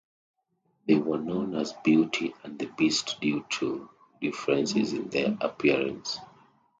They were known as 'Beauty and the Beast' due to differences in their appearance.